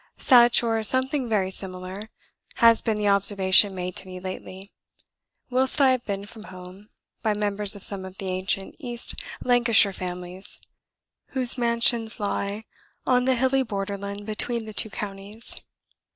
Such, or something very similar, has been the observation made to me lately, whilst I have been from home, by members of some of the ancient East Lancashire families, whose mansions lie on the hilly border land between the two counties.